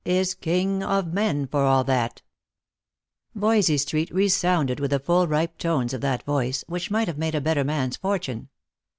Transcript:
Is king o' men for a' that 1 " Voysey street resounded with the full ripe tones of that voice, which might have made a better man's fortune.